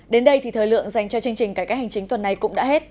đến đây thì thời lượng dành cho chương trình cải cách hành chính tuần này cũng đã hết